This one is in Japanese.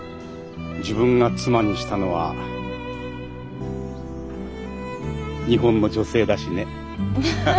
自分が妻にしたのは日本の女性だしね。